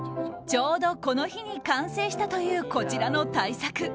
ちょうどこの日に完成したというこちらの大作。